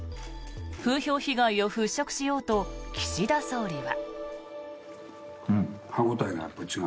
風評被害を払しょくしようと岸田総理は。